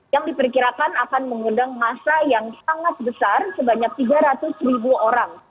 yang diperkirakan akan mengundang masa yang sangat besar sebanyak tiga ratus ribu orang